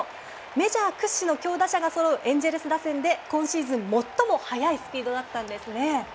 メジャー屈指の強打者がそろうエンジェルス打線で今シーズン最も速いスピードだったんですね。